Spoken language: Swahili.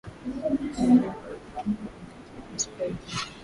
Mimina viazi ulivyokata kwenye sufuria